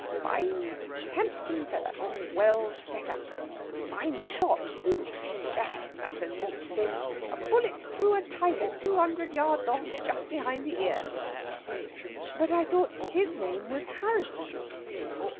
"Fine handsome feller well set up. Fine shot, too! Gad! that was a neat thing! A bullet through a tiger two hundred yards off just behind the ear." "But I thought his name was Harrisson."